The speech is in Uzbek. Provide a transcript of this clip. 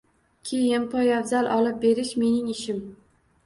Kiyim, poyabzal olib berishmening ishim